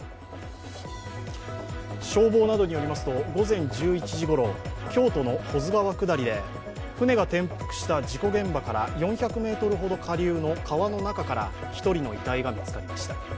消防などによりますと午前１１時ごろ京都の保津川下りで舟が転覆した事故現場から４００ｍほど下流の川の中から１人の遺体が見つかりました。